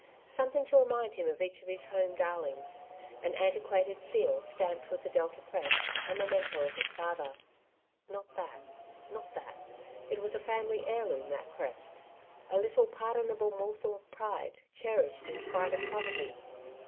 Something to remind him of each of his home dar lings. An antiquated seal, stamped with the Delta crest, a memento of his father. Not that, not that ; it was a family heirloom that crest — a little pardon able morsel of pride, cherished in spite of poverty.